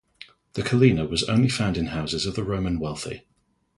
The culina was only found in houses of the Roman wealthy